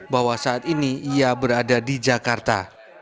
bahwa saat ini ia berada di jakarta